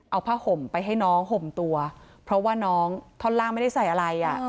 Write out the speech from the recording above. เอาผ้าห่มไปให้น้องห่มตัวเพราะว่าน้องท่อนล่างไม่ได้ใส่อะไรอ่ะ